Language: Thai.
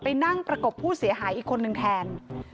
นั่งประกบผู้เสียหายอีกคนนึงแทน